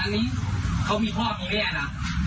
อันนี้เขามีพ่อมีแม่นะ